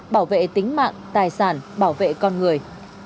bảo vệ tính mạng tài sản bảo vệ con người